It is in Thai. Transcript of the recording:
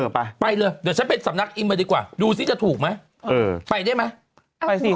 ไปไปเลยเดี๋ยวฉันไปสำนักอิมไปดีกว่าดูซิจะถูกไหมเออไปได้ไหมไปสิ